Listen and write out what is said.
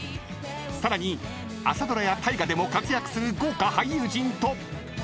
さらに朝ドラや大河でも活躍する豪華俳優陣と］